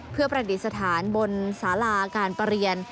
เพื่อประดิษฐานบนสาราการประเรียน